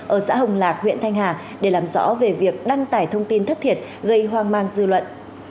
ở xã hồng lạc huyện thanh hà để làm rõ về việc đăng tải thông tin thất thiệt gây hoang mang dư luận